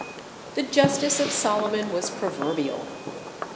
The justice of Solomon was proverbial.